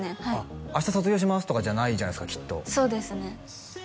はい明日卒業しますとかじゃないじゃないですかきっとそうですね